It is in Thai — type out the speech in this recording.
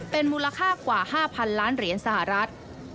เป็นมูลค่ากว่า๕๐๐๐ล้านเหรียญสหรัฐ